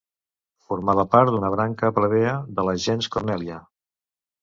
Formava part d'una branca plebea de la gens Cornèlia.